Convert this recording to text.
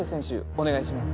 お願いします。